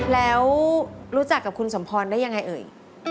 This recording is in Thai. แล้วรู้จักกับคุณสมพรได้ยังไงเอ่ย